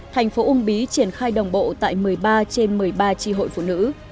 thành phố uông bí triển khai đồng bộ tại một mươi ba trên một mươi ba tri hội phụ nữ